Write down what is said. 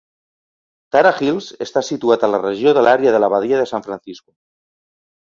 Tara Hills està situat a la regió de l'Àrea de la Badia de San Francisco.